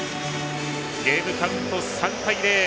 ゲームカウント３対０。